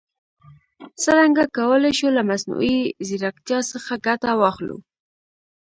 څرنګه کولای شو له مصنوعي ځیرکتیا څخه ګټه واخلو؟